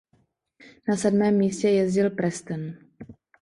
Na sedmém místě jezdil Preston.